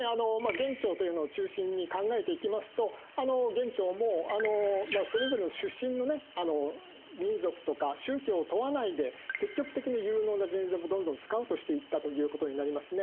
元朝というのを中心に考えていきますと元朝もそれぞれの出身のね民族とか宗教を問わないで積極的に有能な人材をどんどんスカウトしていったということになりますね。